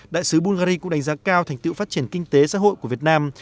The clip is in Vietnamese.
đại sứ bungary cũng đánh giá cao thành tựu phát triển kinh tế xã hội của việt nam